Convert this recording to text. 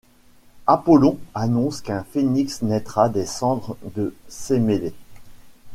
Apollon annonce qu'un phénix naîtra des cendres de Sémélé.